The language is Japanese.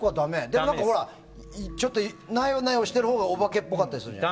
なよなよしてるほうがお化けっぽかったりするじゃん。